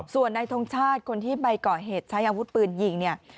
ส่วนในทงชาติคนที่ไปก่อเหตุใช้อาวุธปืนยิงเนี่ย